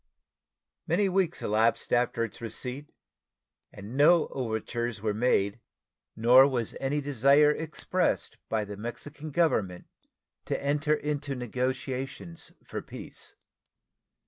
Many weeks elapsed after its receipt, and no overtures were made nor was any desire expressed by the Mexican Government to enter into negotiations for peace.